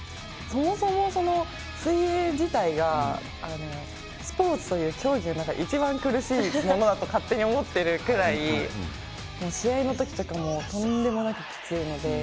そもそも水泳自体がスポーツという競技の中で一番苦しいものだと勝手に思ってるくらい試合の時とかもうとんでもなくきついので。